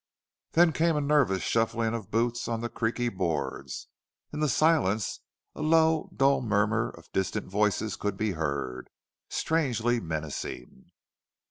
Then came a nervous shuffling of boots on the creaky boards. In the silence a low, dull murmur of distant voices could be heard, strangely menacing.